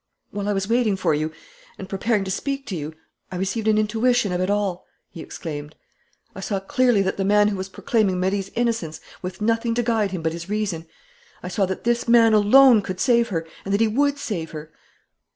"While I was waiting for you and preparing to speak to you, I received an intuition of it all!" he exclaimed. "I saw clearly that the man who was proclaiming Marie's innocence with nothing to guide him but his reason, I saw that this man alone could save her and that he would save her.